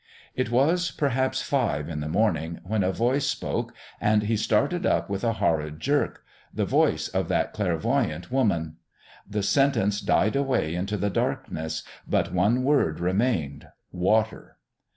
It was perhaps five in the morning when a voice spoke and he started up with a horrid jerk the voice of that clairvoyante woman. The sentence died away into the darkness, but one word remained: _Water!